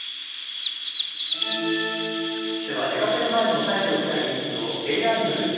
では、出かける前に押さえておきたいニュースをＡＩによる自